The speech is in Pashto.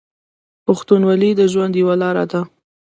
پښتونولي د ژوند یوه لار ده.